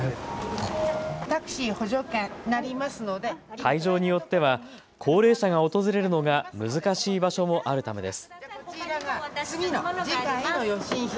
会場によっては高齢者が訪れるのが難しい場所もあるためです。